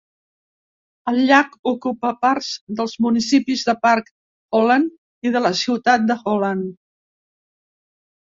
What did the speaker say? El llac ocupa parts dels municipis de Park, Holland i de la ciutat de Holland.